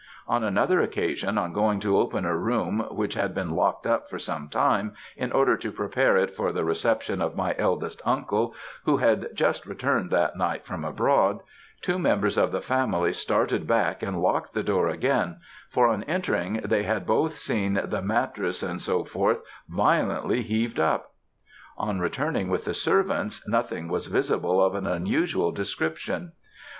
On another occasion, on going to open a room which had been locked up for some time, in order to prepare it for the reception of my eldest uncle, who had just returned that night from abroad, two members of the family started back and locked the door again, for on entering they had both seen the mattrass &c. violently heaved up. On returning with the servants, nothing was visible of an unusual description.